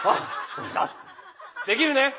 できるね？